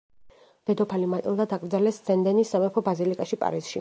დედოფალი მატილდა დაკრძალეს სენ დენის სამეფო ბაზილიკაში, პარიზში.